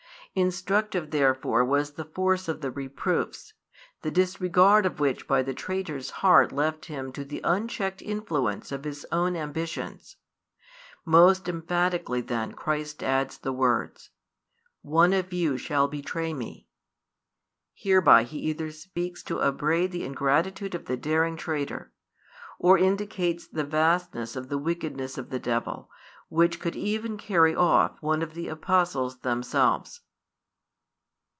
Instructive therefore was the force of the reproofs, the disregard of which by the traitor's heart left him to the unchecked influence of his own ambitions. Most emphatically then Christ adds the words: One of you shall betray Me. Hereby He either seeks to upbraid the ingratitude of the daring traitor, or indicates the vastness of the wickedness of the devil, which could even carry off one of the Apostles themselves.